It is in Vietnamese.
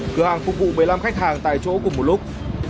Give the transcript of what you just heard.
cửa hàng phục vụ một mươi năm khách hàng tại chỗ cùng một lúc